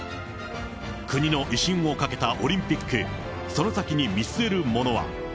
国の威信をかけたオリンピック、その先に見据えるものは。